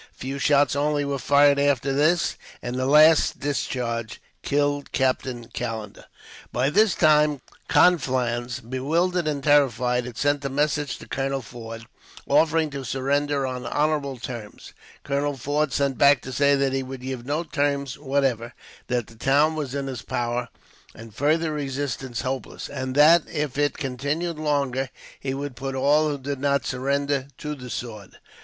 A few shots only were fired after this, and the last discharge killed Captain Callender. By this time Conflans, bewildered and terrified, had sent a message to Colonel Forde, offering to surrender on honorable terms. Colonel Forde sent back to say that he would give no terms whatever; that the town was in his power and further resistance hopeless; and that, if it continued longer, he would put all who did not surrender to the sword.